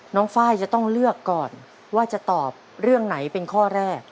ไฟล์จะต้องเลือกก่อนว่าจะตอบเรื่องไหนเป็นข้อแรก